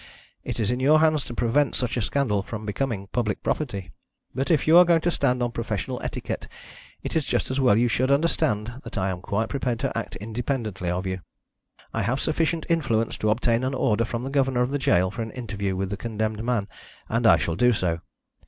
It is in your hands to prevent such a scandal from becoming public property. But if you are going to stand on professional etiquette it is just as well you should understand that I am quite prepared to act independently of you. I have sufficient influence to obtain an order from the governor of the gaol for an interview with the condemned man, and I shall do so.